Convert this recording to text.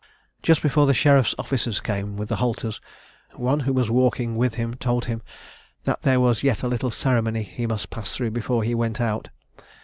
"Just before the sheriff's officers came with the halters, one who was walking with him told him that there was yet a little ceremony he must; pass through before he went out.